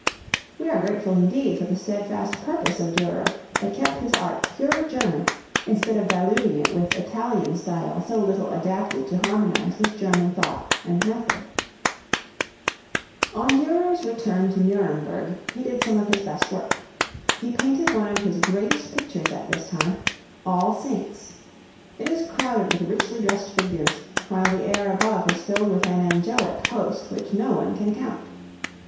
We are grateful indeed for the steadfast purpose of Durer that kept his art pure German instead of diluting it with Italian style so little adapted to harmonize with German thought and method. [Illustration: PRAYING HANDS Durer] On Durer's return to Nuremberg he did some of his best work. He painted one of his greatest pictures at this time, "All Saints." It is crowded with richly dressed figures, while the air above is filled with an angelic host which no one can count.